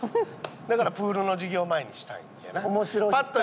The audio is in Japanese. だからプールの授業前にしたいんやな。